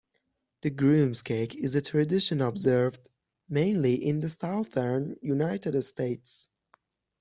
The groom's cake is a tradition observed mainly in the southern United States.